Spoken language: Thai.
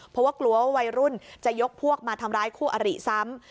เพราะว่ากลัวว่าวัยรุ่นจะยกพวกมาทำร้ายคู่อริซ้ำ